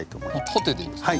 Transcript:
縦でいいんですか？